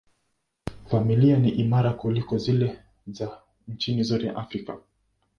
Familia ni imara kuliko zile za nchi zote za Afrika.